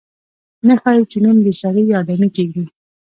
نه ښايي چې نوم دې سړی یا آدمي کېږدي.